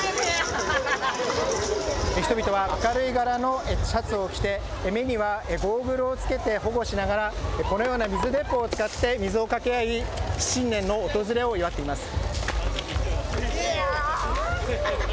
人々は明るい柄のシャツを着て目にはゴーグルをつけて保護しながらこのような水鉄砲を使って水をかけ合い新年の訪れを祝っています。